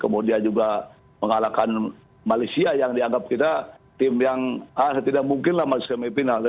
kemudian juga mengalahkan malaysia yang dianggap kita tim yang tidak mungkin lah malah semi final